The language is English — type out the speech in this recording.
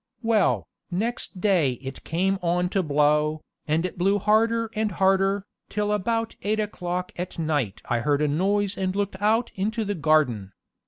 Well, next day it came on to blow, and it blew harder and harder, till about eight o'clock at night I heard a noise and looked out into the garden.